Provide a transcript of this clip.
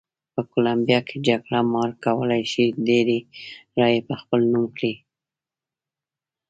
په کولمبیا کې جګړه مار کولای شي ډېرې رایې په خپل نوم کړي.